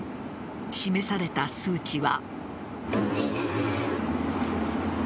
示された数値は。